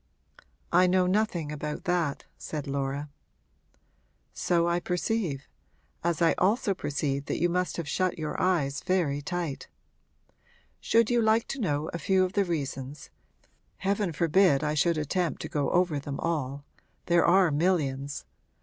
'I know nothing about that,' said Laura. 'So I perceive as I also perceive that you must have shut your eyes very tight. Should you like to know a few of the reasons heaven forbid I should attempt to go over them all; there are millions!